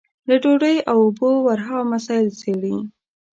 له ډوډۍ او اوبو ورها مسايل څېړي.